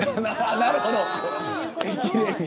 なるほど。